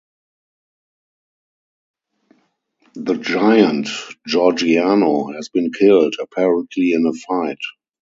The giant Gorgiano has been killed, apparently in a fight.